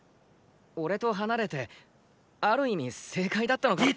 俺と離れてある意味正解だったのかもなッ。